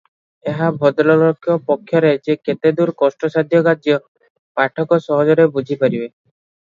ଏହା ଭଦ୍ରଲୋକ ପକ୍ଷରେ ଯେ କେତେଦୂର କଷ୍ଟସାଧ୍ୟ କାର୍ଯ୍ୟ, ପାଠକ ସହଜରେ ବୁଝି ପାରିବେ ।